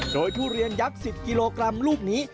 โดยทุเรียนยักษ์๑๐กิโลกรัมลูกนี้